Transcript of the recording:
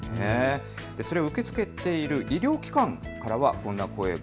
それを受け付けている医療機関からはこんな声が。